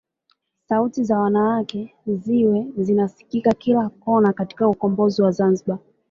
Sauti za wanawake ziwe zinasikika kila kona katika ukombozi wa Zanzibar